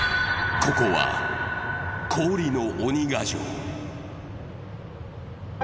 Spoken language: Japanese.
ここは氷の鬼ヶ城。